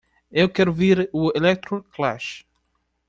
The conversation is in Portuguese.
Eu quero ouvir o Electroclash